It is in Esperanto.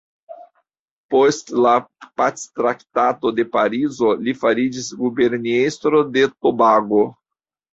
Post la Pactraktato de Parizo, li fariĝis guberniestro de Tobago.